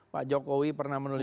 pak jokowi pernah menulis